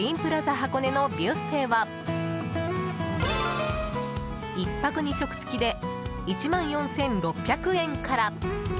箱根のビュッフェは１泊２食付きで１万４６００円から。